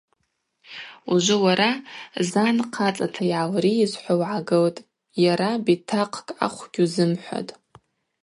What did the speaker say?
Ужвы уара – Зан хъацӏата йгӏалрийыз – хӏва угӏагылтӏ, йара битакъкӏ ахв гьузымхӏватӏ.